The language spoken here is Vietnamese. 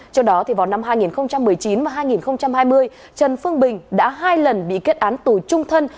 trước đó vào năm hai nghìn một mươi chín và hai nghìn hai mươi trần phương bình đã hai lần bị kết án tù trung thân